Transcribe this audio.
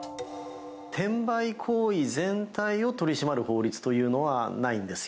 転売行為全体を取り締まる法律というのはないんですよ。